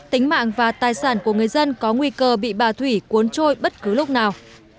tính mạng và tài sản của người dân có nguy cơ bị bà thủy cuốn trôi bất cứ lúc nào